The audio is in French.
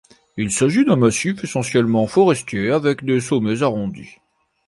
Il s'agit d'un massif essentiellement forestier avec des sommets arrondis.